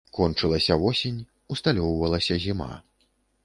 Кончылася восень, усталёўвалася зіма.